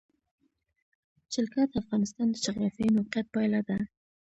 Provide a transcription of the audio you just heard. جلګه د افغانستان د جغرافیایي موقیعت پایله ده.